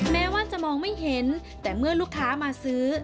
แม้ว่าจะมองไม่เห็นแต่เมื่อลูกค้ามาซื้อ